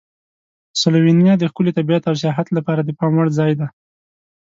سلووینیا د ښکلي طبیعت او سیاحت لپاره د پام وړ ځای دی.